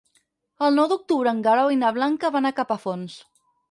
El nou d'octubre en Guerau i na Blanca van a Capafonts.